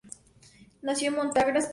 Nació en Montargis, Francia.